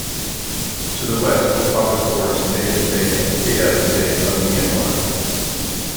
To the west, the province borders Kayin State and Kayah State of Myanmar.